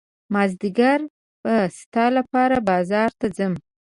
مازدیګر به ستا لپاره بازار ته ځم.